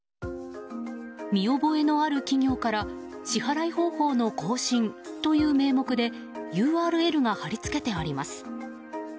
見覚えのある企業から支払い方法の更新という名目でＵＲＬが貼り付けてあります。